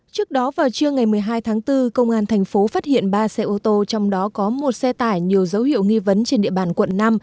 trước đó vào trưa ngày một mươi hai tháng bốn công an thành phố phát hiện ba xe ô tô trong đó có một xe tải nhiều dấu hiệu nghi vấn trên địa bàn quận năm